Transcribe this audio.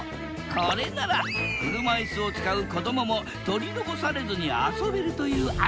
これなら車いすを使う子どもも取り残されずに遊べるという案だ。